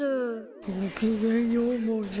ごきげんようもじゃ